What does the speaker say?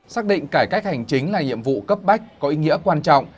xác định cải cách hành chính là nhiệm vụ cấp bách có ý nghĩa quan trọng